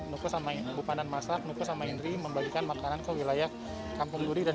nukes sama yang bupandan masak nukes sama indri membagikan makanan ke wilayah kampung duri dan